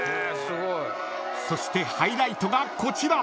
［そしてハイライトがこちら］